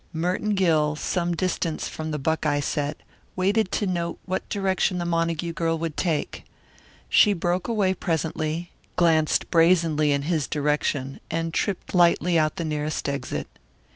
Merton Gill, some distance from the Buckeye set, waited to note what direction the Montague girl would take. She broke away presently, glanced brazenly in his direction, and tripped lightly out the nearest exit.